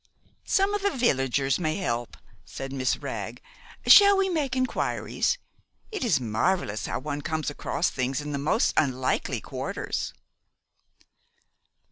"Some of the villagers may help," said Miss Wragg. "Shall we make inquiries? It is marvelous how one comes across things in the most unlikely quarters."